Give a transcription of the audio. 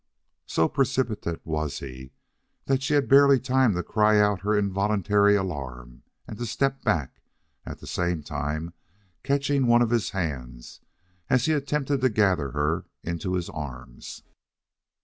So precipitate was he, that she had barely time to cry out her involuntary alarm and to step back, at the same time catching one of his hands as he attempted to gather her into his arms.